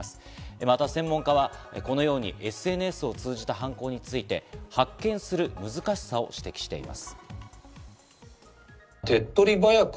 また専門家は、このようにＳＮＳを通じた犯行について、発見する難しさを指摘しています。